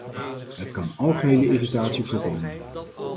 Het kan algehele irritatie voorkomen.